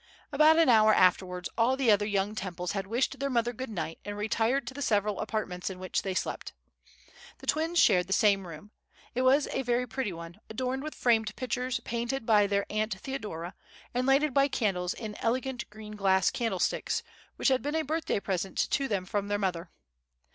About an hour afterwards all the other young Temples had wished their mother good night, and retired to the several apartments in which they slept. The twins shared the same room. It was a very pretty one, adorned with framed pictures painted by their Aunt Theodora, and lighted by candles in elegant green glass candlesticks, which had been a birthday present to them from their mother.